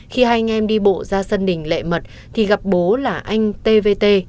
khi hai anh em đi bộ ra sân đình lệ mật thì gặp bố là anh tvt